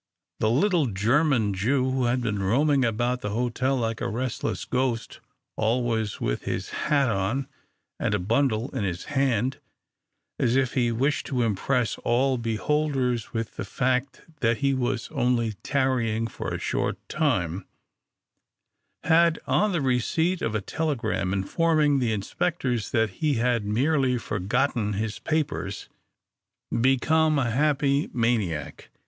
The little German Jew, who had been roaming about the hotel like a restless ghost, always with his hat on and a bundle in his hand as if he wished to impress all beholders with the fact that he was only tarrying for a short time, had, on the receipt of a telegram informing the inspectors that he had merely forgotten his papers, become a happy maniac.